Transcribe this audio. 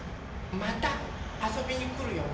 またあそびにくるよね？